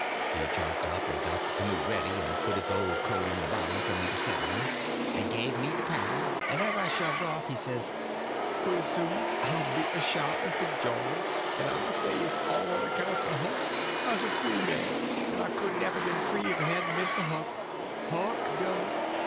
He jumped and got the canoe ready, and put his old coat in the bottom for me to set on, and give me the paddle; and as I shoved off, he says: "Pooty soon I'll be a shout'n' for joy, en I'll say, it's all on accounts o' Huck; I's a free man, en I couldn't ever ben free ef it hadn' ben for Huck; Huck done it.